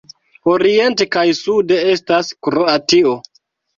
Oriente kaj sude estas Kroatio.